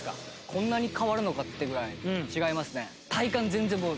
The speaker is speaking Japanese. こんなに変わるのかってぐらい違いますね。